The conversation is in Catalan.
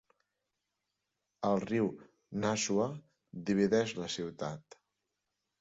El riu Nashua divideix la ciutat.